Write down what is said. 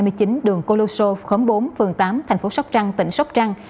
ở ngành hai mươi chín đường coloso khuẩn bốn phường tám thành phố sóc trăng tỉnh sóc trăng